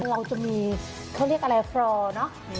คือจะมีเขาเรียกอะไรฟรอเท่านี้